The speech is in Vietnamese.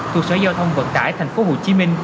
thuộc sở giao thông vận tải tp hcm